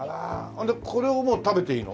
でこれをもう食べていいの？